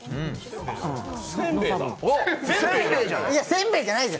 せんべいじゃないの？